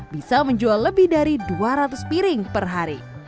bisa menjual lebih dari dua ratus piring per hari